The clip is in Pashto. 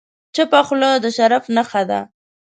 چپه خوله، د شرف نښه ده.